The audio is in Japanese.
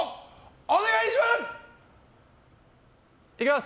お願いします！